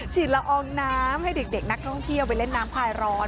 ละอองน้ำให้เด็กนักท่องเที่ยวไปเล่นน้ำคลายร้อน